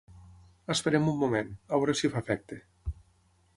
Esperem un moment, a veure si fa efecte.